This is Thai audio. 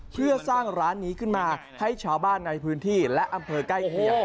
เพื่อสร้างร้านนี้ขึ้นมาให้ชาวบ้านในพื้นที่และอำเภอใกล้เคียง